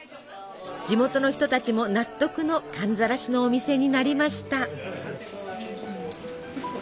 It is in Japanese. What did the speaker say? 地元の人たちも納得の寒ざらしのお店になりました。